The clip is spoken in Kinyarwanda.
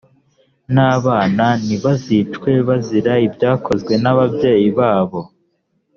n’abana ntibazicwe bazira ibyakozwe n’ababyeyi babo;